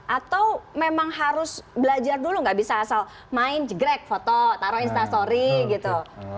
atau memang harus belajar dulu nggak bisa asal main jegrek foto taruh instastory gitu